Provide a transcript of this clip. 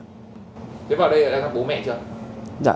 thế vào đây đã gặp bố mẹ chưa